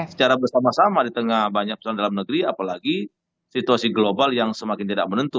secara bersama sama di tengah banyak perusahaan dalam negeri apalagi situasi global yang semakin tidak menentu